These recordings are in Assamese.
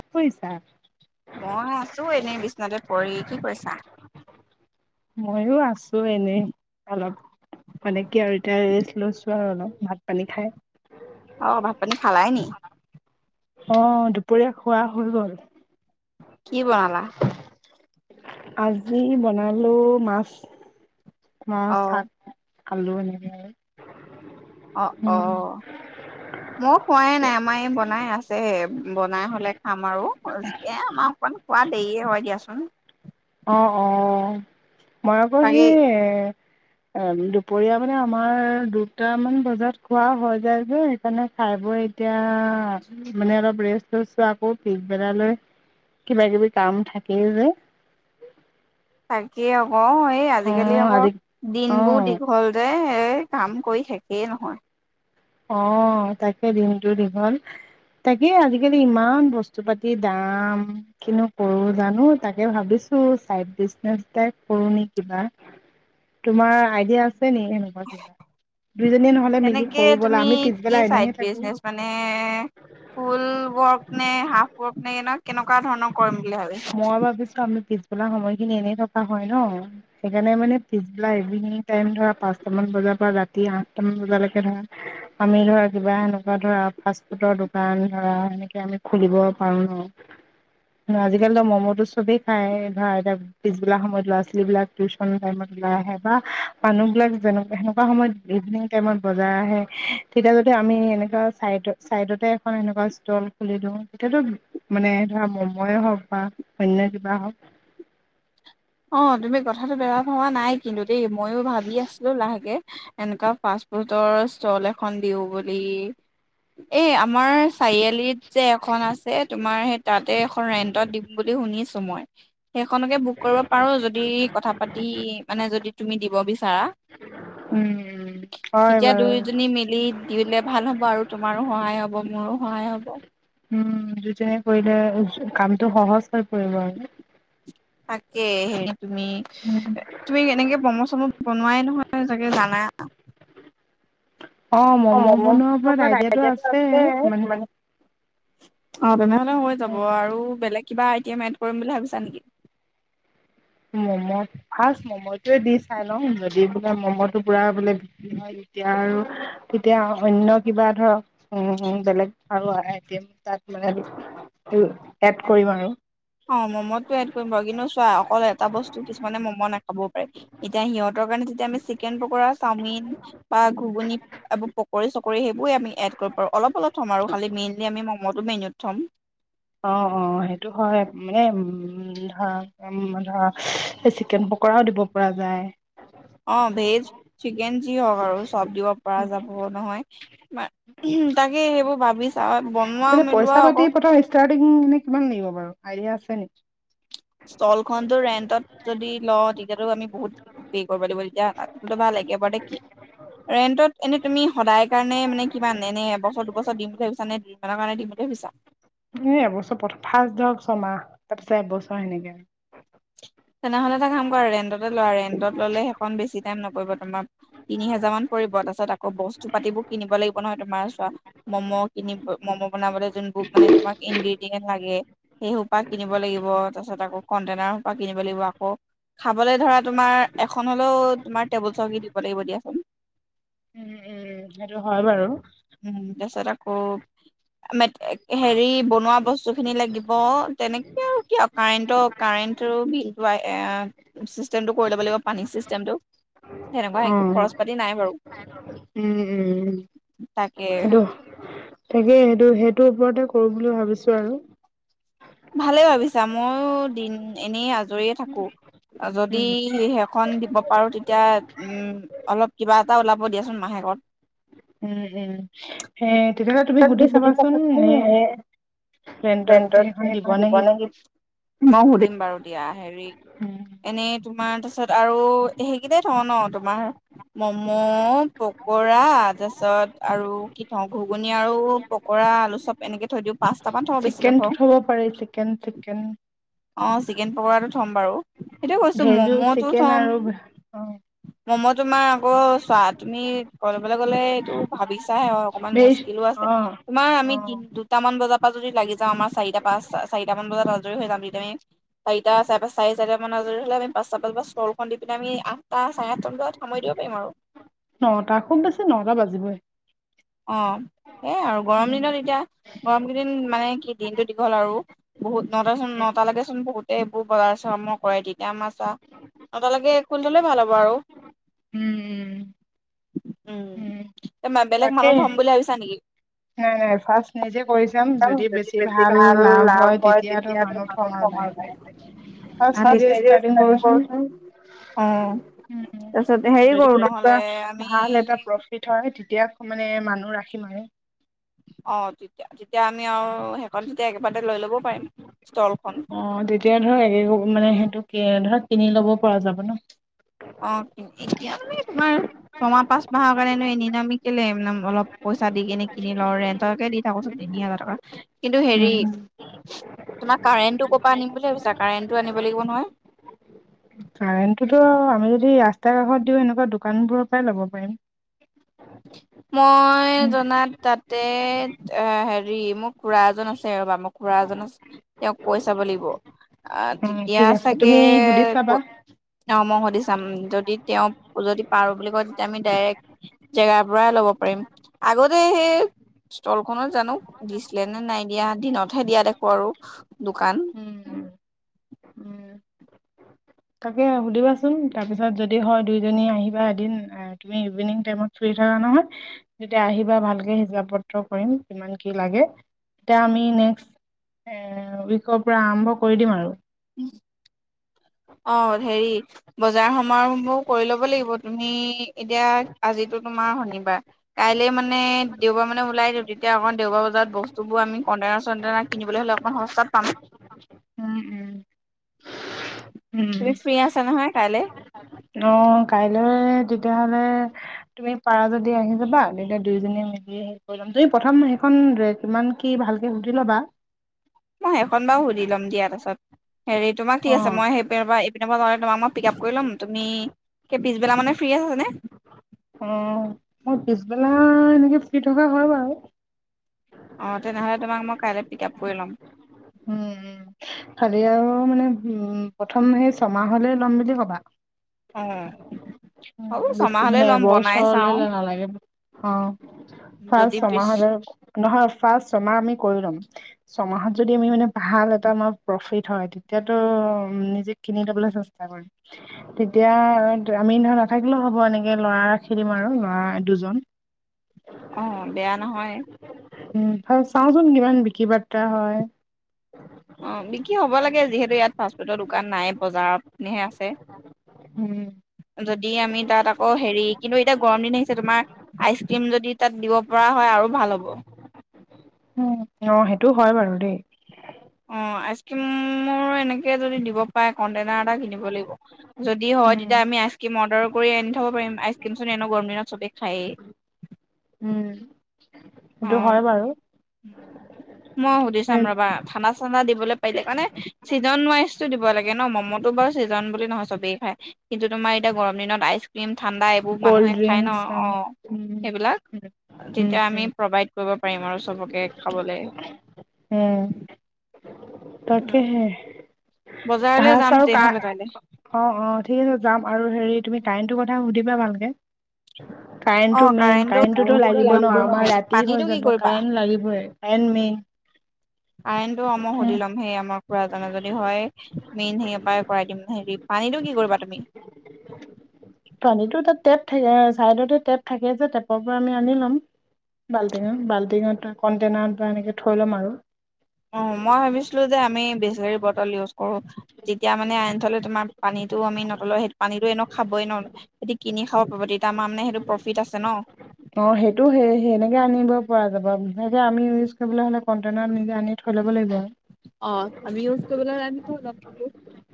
কি কৰিছা? মই আছো এনেই বিচনাতে পৰি কি কৰিছা? ময়ো আ ছো এনেই অলপ মানে কি আৰু এতিয়া ৰেষ্ট লৈছোঁ আৰু অলপ ভাত-পানী খাই অ ভাত-পানী খালাই নি? অহ! দুপৰীয়া খোৱা হৈ গ'ল। কি বনালা? আজি বনালোঁ মাছ। মাছ অ শাক আলু এনেকে অ অ উম ন খোৱাই নাই আমাৰ এই বনাই আছে হে, বনাই হ'লে খাম আৰু এ আমাৰ সোৱাদ খোৱা দেৰিয়ে হয় দিয়া চোন অ অ মই আকৌ বাকী সেই অহ দুপৰীয়া মানে আমাৰ দুটামান বজাত খোৱা হৈ যায় যে, সেইকাৰণে খাই বৈ এতিয়া মানে অলপ ৰেষ্টো লৈছো, আকৌ পিছবেলালৈ কিবা-কিবি কাম থাকেই যে। তাকে অক এ এই অ আজিকালি আকৌ আজি দিনবোৰ অ দীঘল যে। সেই কাম কৰি শেষেই নহয়। অ তাকে দিনটো দীঘল, তাকে আজিকালি ইমান বস্তুপাতি দাম, কিনো কৰো জানো তাকে ভাবিছোঁ চাইড বিজনেচ এটাই কৰো নি কিবা। তোমাৰ আইডিয়া আছে নি এনেকোৱা কিবা দুইজনীয়ে নহলে মিলি এ কৰো বলা তুমি আমি কি পিছবেলা চাইড এনেহে থাকো বিজনেচ মানে ফুলৱৰ্ক নে হাফৱৰ্ক নে না কেনেকোৱা ধৰণৰ কৰিম বুলি ভাবিছা মই ভাবিছো, আমি পিছ বেলা সময়খিনি এনেই থকা হয় ন সেইকাৰণে মানে পিছবেলা ইভিনিং টাইম ধৰা পাঁচটামান বজাৰ পৰা ৰাতি আঠটামান বজালৈকে ধৰা আমি ধৰা কিবা এনেকোৱা ধৰা ফাৰ্ষ্ট-ফুডৰ দোকান ধৰা এনেকে আমি খুলিব পাৰো ন সেয়া আজি কালি ম'ম'টো চবেই খাই ধৰা এতিয়া পিছবেলা সময়ত ল'ৰা-ছোৱালীবিলাক টিউচন টাইমত ওলাই আহে, বা মানুহবিলাক যেনে সেনেকোৱা সময়ত ইভিনিং টাইমত বজাৰ আহে, তেতিয়া যদি আমি এনেকোৱা চাইড চাইডতে এখন সেনেকোৱা ষ্টল খুলি দিওঁ তেতিয়াতো মানে ধৰা ম'ময়ে হওক, বা অন্য কিবা হওক অ, তুমি কথাটো বেয়া ভবা নাই কিন্তু দেই মইও ভাবি আছিলো লাহেকে এনেকোৱা ফাষ্ট-ফুডৰ ষ্টল এখন দিওঁ বুলি এই আমাৰ চাৰিআলিত যে এখন আছে তোমাৰ সেই তাতে এখন ৰেন্টত দিম বুলি শুনিছো, মই সেইখনকে বু কৰিব পাৰো, যদি কথা পাতি মানে যদি তুমি দিব বিচাৰা। উম হয় তেতিয়া বাৰু দুয়োজনী মিলি দিলে ভাল হ'ব আৰু তোমাৰো সহায় হ'ব। মোৰো সহায় হব। দুইজনে কৰিলে কামটো সহজ হৈ পৰিব, আৰু তাকে তুমি, উম তুমি, এনেকে মম-চম বনোৱাই নহয় চাগে, জানা? অ [unintelligible] অ, ম'ম' বনোৱাৰ ওপৰত আইডিয়াটো আছে। মানে, অ', তেনেহলে হৈ যাব আৰু বেলেগ কিবা আইটেম এদ কৰিম বুলি ভাবিছা নেকি? মম', ফাৰ্ষ্ট ম'ম'টোৱে দি চাই লওঁ। যদি বোলে ম'ম'টো পুৰা বো বিক্ৰী হয়, তেতিয়া আৰু তেতিয়া অন্য কিবা ধৰক উ বেলেগ আইটেম তাত মে অ', ম'মতটো এড কৰিম বাৰু কিন্তু চোৱা, অকলে এড এটা বস্তু কিছুমানে মম নাখাব পাৰে। এতিয়া সিহঁতৰ কাৰণে আমি চিকেন পকৰা, চাওমিন বা ঘুগুনি এইবোৰ পকৰী চকৰি সেইবোৰ আমি এড কৰিব পাৰোঁ। অলপ অলপ থম আৰু খালী মেইন লি আমি মম মতো মেইনত থম। অ, অ, সেইটো হয়। মানে, উম ধৰা ধৰা চিকেন পকৰাও দিব পৰা যায়। অ', ভেজ, চিক ন, যি হওক আৰু চব দিব পৰা যাব নহয়। ব [unintelligible] উম, তাকে সেইবোৰ ভাবি চা তাতে পইচা বনোৱাও-মিলোৱাও পাতি আকৌ প্ৰথম ষ্টাৰ্টিং কিমান লাগিব বাৰু আইডিয়া আছে নেকি? ষ্টল খনতটো ৰেন্টত যদি লওঁ তেতিয়ো আমি বহুত পে কৰিব লাগিব। তেতিয়া ভাল তাতকৈ ভাল একেবাৰ তে কিনি ৰেন্টত এনে তুমি সদায় কাৰণে মানে কিমান এনে এবছৰ দুবছৰ দি এ, এ এবছৰ চব প্ৰথম ফাৰ্ষ্ট ধৰক ছমাহ। তাৰপিছত এবছৰ সেনেকে আৰু। তেনেহলে এটা কাম কৰা ৰেন্টতে লোৱা। ৰেন্টত ললে সেইখন বেছি টাইম নপৰিব, তোমাৰ তিনি হোজাৰ মান পৰিব। তাৰ পিছত আকৌ বস্তু পাতিবোৰ কিনিব লাগিব নহয়। তোমাৰ চোৱা ম'ম' কিনিব ম'ম' বনাবলৈ যোনবোৰ মানে তোমাক ইনগ্ৰেডিয়েট লাগে। সেই সোপা কিনিব লাগিব। তাৰ পিছতক কটেইনাৰ সোপা। কিনিব লাগিব আকৌ খাবলৈ ধৰা তোমাৰ এখন হলেও তোমাৰ টেবুল চকী দিব লাগিব দিয়াচোন উম উম সেইটো হয় বাৰু উম তাচত আকৌ ম হেৰি বনোৱা বস্তু খিনি লাগিব। অ, তেনেকে আৰু ক আৰু কাৰেণ্টৰ কাৰেণ্টৰ বিল চিষ্টেমটো কৰি ল'ব লাগিব পানী চিষ্টেমটো। তেনেকুৱা অ একো উম খৰচ পাতি নাই বাৰু উম। তাকে সেইটো তাকে এইটো। সেইটোৰ ওপৰতে কৰো বুলি ভাবিছো আৰু। ভালে ভাবিছা, ময়ো দিন এনেই আজৰিয়ে থাকো যদি উম, সেইখন দিব পাৰো তেতিয়া উম অলপ কিবা এটা ওলাব দিয়াচোন মাহেকত। হে তেতিয়াহ'লে তুমি সুধি চাবাচোন এ ত। ৰেন্টত দিব নেকি মই সোধিম। বাৰু দিয়া। হেৰি উম। এনেই। তোমাৰ তাৰপিছত আৰু সেইকেইটাই থওঁ ন তোমাৰ মম' পকৰা, তাৰপিছত আৰু কি থওঁ ঘুগুনি আৰু পকৰা আলু চব এনেকে থৈ দিওঁ পাচ। তাপা থও বেছি নথওঁ। পাৰে চিকেন চিকেন। অঁ চিকেন পকৰাটো থ'ম বাৰু। সেইটোয় কৈছো ভেজো ম'ম'টো চিকেন থ'ম। আৰু অ', মম' তোমাৰ আকৌ চোৱা, তুমি কলৈ গ'লে এইটো ভাবিছ। নাই অ অকমান ভেজ মুস্কিলো আছে, অ', তোমাৰ আমি অ', তিন দুটামান বজাত। প লাগি যাওঁ আমাৰ চাৰিটা। পাঁচ চাৰিটা মান বজাত আজৰি হৈ যাম তেতিয়া আমি। চাৰিটা, চাৰি চাৰি চাৰিটা মান আজৰি হলে আমি পাঁচটা ব শলখন দি পিনে আমি আঠটা চাৰে আঠটা মান বজাত সামৰি দিব পাৰিম আৰু। নটা খুব বেছি নটা বাজিবই। অ, সেইয়াই আৰু গৰম উম, দিনত এতিয়া গৰম দিন কেইটা মানে কি দিনতটো দীঘল আৰু বহুত নটা চোন নটা লেকে চোন বহুত। সেইবোৰ বজাৰ চৰ্ম কৰে তেতিয়া আমাৰ। নটা তালৈকে। খুলিথলে ভাল হ'ব আৰু। উম উম। উম। বেলেগ তাকে মানুহ। থম বুলি ভাবিছা নেকি? নাই নাই, ফাৰ্ষ্ট নিজে কৰি চাম যদি বেছি ভাল লাভ হয় তেতিয়ো মানুহ থম আৰু লাহেকে ফাৰ্ষ্ট নিজে ষ্টাৰ্টিং কৰোচ অ তাৰপিছত হেৰি যদি কৰো নহ'লে আমি ভাল এটা প্ৰফি হয়। ইয়াত মানে মানুহ ৰাখিম মানে। অ তেতিয়া, তেতিয়া আমি আৰু শেষনতে একেবাই। অ তেতিয়া ধৰ এক মানে সেইটো। কে ধৰা কিনি লব পৰা যাব ন। অ এতিয়া মানে তোমাৰ ছমাহ, পাঁচ মাহৰ কাৰণে এনেইনো আমি। কেলে এনাম অলপ। পইচা দি কিনে কিনি লওঁ ৰেন্তৰকে দি থাকচোন তিনি হাজাৰ টকা, কিন্তু হেৰি উম। ও। [unintelligible] তোমাৰ কাৰেণ্টটো ক'ৰ পৰা আনিম বুলি ভাবিছা, কাৰেণ্টটো আনিব লাগিব নহয়। কাৰেণ্টটোতো আমি যদি ৰাস্তাৰ কাষত দিওঁ এনেকুৱা দোকানবোৰৰ পৰাই ল'ব পাৰিম। মই জানাত তাতে আ হেৰি মোৰ খুৰা এজন আছে। এ ৰবা খুৰা এজনচ, তেওঁক। কৈ চাব লাগিব। আ অ', তেতিয়া ঠিক আছে চাগে তুমি সুধি চাবা। কৈ, অহ মই হুদি। দি চাম, যদি তেওঁব যদি পাৰো বুলি কয় তেতিয়া আমি ডাইৰেক্ট, জেগা। ভৰাই লব পাৰিম, আগতে সেই ষ্টলখনত জানো দিছিলে নে নাই দিয়া দিনতহে দিয়া দেখো আৰু দোকান। উম, উম, তাকে সুধিবাচোন তাৰপিছত যদি হয় দুইজনী আহিবা এদিন তুমি ইভিনিং টাইমত ফ্ৰী থকা নহয়, তেতিয়া আহিবা ভালকে হিচাপ পত্ৰ কৰিম, কিমান কি লাগে, তেতিয়া আমি নেক্সট এ উইকৰ পৰা আৰম্ভ কৰি দিম আৰু। উম। অ হেৰি। বজাৰ সমাৰ সমূহ কৰি ল'ব লাগিব, তুমি এতিয়া আজিতো তোমাৰ শনিবাৰ। কাইলে মানে। দেওবাৰ মানে ওলাই দিওঁ, তেতিয়া অকণ দেওবাৰ বজাৰ বস্তুবোৰ আমি কণ্টেনাৰ চণ্টেনাৰ কিনিবলৈ হ'লে অকণ সস্তাত পাম। উম উম। উম। তুমি ফ্ৰী আছা নহয় কাইলে? অ কাইলৈ তেতিয়াহলে তুমি পাৰা যদি আহি যাবা, তেতিয়া দুইজনী মিলি সেই কৰি লম, তুমি প্ৰথম সেইখন কিমান কি ভালকে সুধি ল'বা। মই সেইখন বাৰু সুধি ল'ম, দিয়াৰ পাছত। হেৰি তোমাক কি আছে, অ' মই সেপিৰপা এইত। পিতমবাৰে তোমাক মই পিক আপ কৰি ল'ম, তুমি পিছবেলা মানে ফ্ৰী আছ নে? মই পিছবেলা অ এনেকে শুই থকা হয় বাও। অ তেনেহ'লে তোমাক মই কাইলৈ পিক আপ কৰি ল'ম উম উ খালি আৰু মানে উ। প্ৰথম সেই ছমাহলৈ ল'ম বুলি কবা। অ হ'ব বেছি ছমাহলৈ মানে ল'ম বনাই এবছৰ চাওঁ নালাগে, অ ফাৰ যদি পিছ ছমাহলে। নহয় ফাৰ্ষ ছমাহ আমি কৰি ল'ম ছমাহত যদি আমি মানে ভাল এটা প্ৰফিট হয় তেতিয়াতো নিজে কিনি ল'বলৈ চেষ্টা কৰিম তেতিয়া আমি ন নাথাকিলেও হ'ব এনেকে ল'ৰা ৰাখি দিম আৰু ল'ৰা দুজন। অ বেয়া নহয়। উম হয় চাওচোন কিমান বিকি বাৰ্তা হয়। অ বিক্ৰী হ'ব লাগে যিহেতু ইয়াত ফাষ্টফুডৰ দোকান নাই বজাৰত। হে আছে, উম যদি আমি তাত আকৌ হেৰি কিন্তু এতিয়া গৰম দিন আহিছে তোমাৰ আইচ ক্ৰীম যদি তাত দিব। পোৱা হয় আৰু ভাল হ'ব। উম। অঁ সেইটো হয় বাৰু দেই। অঁ, আইচ ক্ৰীমৰ এনেকে যদি দিব- পাই, কন্টেনাৰ এটা কিনিব লাগিব। যদি হয় উম তেতিয়া আমি আইচক্ৰীম- কৰি আনি থ'ব পাৰিম আইচক্ৰীমছোন এনেই গৰম দিনত চবে খায়েই। উম। সেইটো হয় অ' বাৰু। মই সোধি চাম ৰবা ধানা-চানা দি- ে চিজন [unintelligible] দিব লাগে ন ম'ম'টো বাওঁ চিজন বুলি নহয় চবে খাই কিন্তু তোমাৰ এতিয়া গৰম দিনত আইচক্ৰীম- ঠাণ্ডা এইবোৰ মানুহে কল্ খায় ন অ ড্ৰিংক সেইবিলাক উ। তেতিয়া আমি [unintelligible] প্ৰভাইড কৰিব পাৰিম আৰু চবকে খাবলৈ। উম তাকেহে। বজাৰলৈ ভাচ যাম আৰু কা তেনেহ'লে কাইলৈ অ অ ঠিক আছে যাম। [unintelligible] আৰু হেৰি তুমি কাৰেণ্টটো কথা সুধিবা ভালকে। মানে [unintelligible] অ কাৰেণ্টটো মেইন কাৰেণ্টটো কাৰেণ্টটোতো সুধি লাগিব ল'ম ন বাৰু আমাৰ হেৰি ৰাতি পানীটো হৈ কি যাব কৰিবা কাৰেন্ট লাগিবই কাৰেণ্ট মেইন কাৰেণ্টটো অ মই সুধি হম। ল'ম [unintelligible] যদি হয় মেইন সে পৰা কৰাই দিম, হেৰি পানীটো কি কৰিবা তুমি? এটা টেপ থাকে ছাইডতে টেপ থাকে যে টেপৰ পৰা আমি আনি ল'ম বাল্টিঙত বাল্টিঙত কণ্টেইনাৰত বা এনেকৈ থৈ ল'ম আৰু। অ মই ভাবিছিলো যে আমি বিচলেৰী বটল ইউজ- কৰো তেতিয়া মানে আনি থলে তোমাৰ- পানীটো আমি [unintelligible] পানীতো এনে খাবই ন সেতি কিনি খাব পাব তেতিয়া মানে সেইটো প্ৰফিট আছে ন। অ', সেইটো সেই সেনেকে আনিব পৰা যাব বিশেষকে আমি ইউজ কৰিবলে হ'লে, কণ্টেইনাৰ নিজে আনি থৈ ল'ব লাগিব আৰু। অঁ আমি ইউজ কৰিব হলে আমি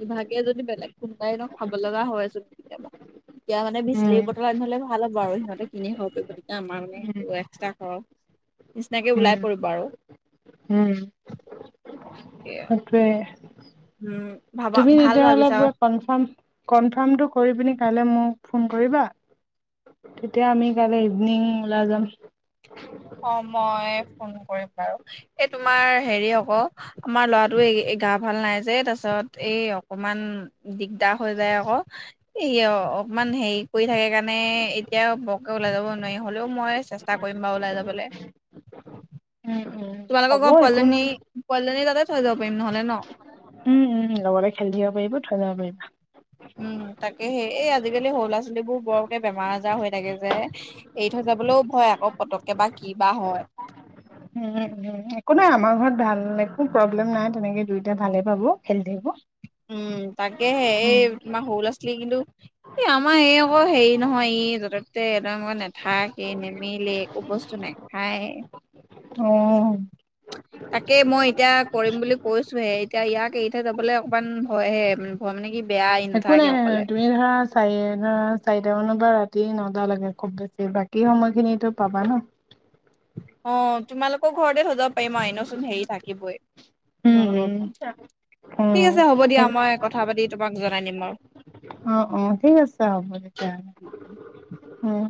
ইভাগে জদি বেলেগ- কোনোবাই ন' খাব লগা হৈ আছে, কেতিয়াবা। এতিয়া মানে, উম, বিচলেৰী বটল আনিব হলে ভাল হ'ব আৰু। তহতে তিনিখ [unintelligible] এক্সট্টা [unintelligible] হয়। নিচিনাকে ওলাই উম, পৰিব আৰু। উম, সেইটোৱে [unintelligible] উম ভাবা তুমি ভাল তেতিয়া হ'লে ভাবিছা পোৰা কন, কনফাৰ্মটো কৰি পিনি- [unintelligible] কাইলৈ মোক ফোন কৰিবা, তেতিয়া আমি কাইলৈ ইভিনিং ওলাই যাম। [inaudible] অ মই ফোন কৰিম বাৰু এই তোমাৰ হেৰি আকৌ আমাৰ লৰাটোৱে গা ভাল নাই যে তাৰ পিছত এই অকমান দিগদাৰ হৈ যায় আকৌ এ অকমান হেৰি কৰি থাকে কাৰণে এতিয়া বৰকে ওলাই যাব নোৱাৰি হলেও মই চেষ্টা কৰিম বাও এহ উম, উম। তোমালাক হ'ব ঘৰৰ পোৱালি একো জনী, নাই। পোৱালি জনী কাটে। থৈ যাব পাৰিম নহলে ন। উম উম, লগতে খেলি থাকিব পাৰিব, থৈ যায় পাৰিব। উম, তাকে সেই এই আজিকালি সৰু ল'ৰা ছোৱালীবোৰ বৰকে বেমাৰ আজাৰ হৈ থাকে যে, এৰি থৈ যাবলৈও ভয় আকৌ পতককে বা কি বা হয়। উম, উম। উম একো নাই আমাৰ ঘৰত, ভাল একো প্ৰব্লেম নাই তেনেকে দুয়োটা ভালে পাব খেলি থাকিব। উম তাকে এই, উম তোমাৰ সৰু লৰা ছোৱালী কিন্তু। এ, আমাৰ এই আকৌ হেৰি নহয় ই য'তে ততে একদকৈ নাথাকে নেমেলে একো বস্তু নাখায়। অ'। তাকে মই এতিয়া কৰিম বুলি কৈছো হে, এতিয়া ইয়াক এাই যাবলৈ অকমান ভয় হে মানে কি। বেয়া ই একো নাথাকে নাই অকলে তুমি ধৰা। চাৰি ন চাৰিটা মানৰ পৰা ৰাতি নটা লাগে খুব বেছি বাকী সময়খিনিতো পাবা ন। অ তোমালোকক। ঘৰতে থৈ যাব পাৰিম আৰু, এনেওচোন হেৰি উম, উম। থাকিবইমোক উম, ঠিক আছে হ'ব দিয়া মই কথা পাতি তোমাক জনাই দিম বাৰু। অ', অ', ঠিক আছে হ'ব তেতিয়াহ'লে। উম।